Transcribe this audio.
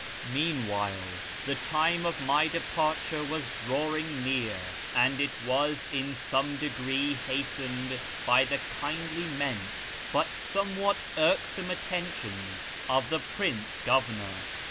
Meanwhile the time of my departure was drawing near, and it was in some degree hastened by the kindly meant but somewhat irksome attentions of the Prince Governor.